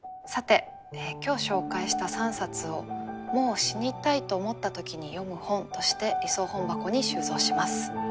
さて今日紹介した３冊を「もう死にたいと思った時に読む本」として理想本箱に収蔵します。